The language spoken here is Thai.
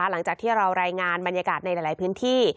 หลังจากที่เรารายงานบรรยากาศในหลายพื้นที่